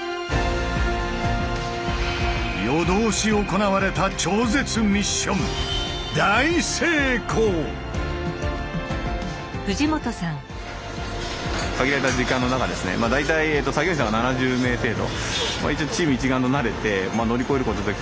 夜通し行われた超絶ミッション限られた時間の中ですね大体作業員さんが７０名程度。